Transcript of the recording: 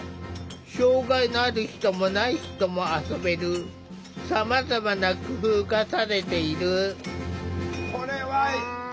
障害のある人もない人も遊べるさまざまな工夫がされている。